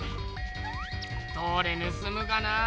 どれぬすむがなあ